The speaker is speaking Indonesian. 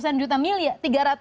tiga ratus an juta miliar